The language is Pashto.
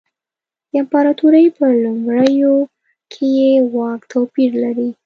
د امپراتورۍ په لومړیو کې یې واک توپیر لري.